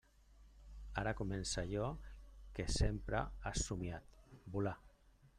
Ara comença allò que sempre has somiat: volar!